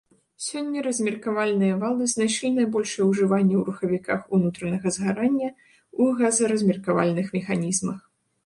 Сёння размеркавальныя валы знайшлі найбольшае ўжыванне ў рухавіках унутранага згарання ў газаразмеркавальных механізмах.